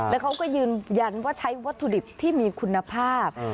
แล้วเขาก็ยืนยันว่าใช้วัตถุดิบที่มีคุณภาพ